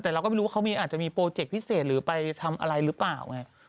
แต่เราก็ไม่รู้ว่าเขาอาจจะมีโปรเจคพิเศษหรือไปทำอะไรหรือเปล่าไง